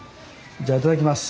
じゃあいただきます。